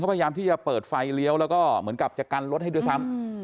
พยายามที่จะเปิดไฟเลี้ยวแล้วก็เหมือนกับจะกันรถให้ด้วยซ้ำ